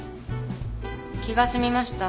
気が済みました？